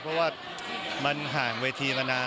เพราะว่ามันห่างเวทีมานาน